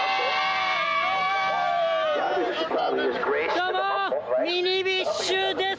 どうもー、ミニビッシュです。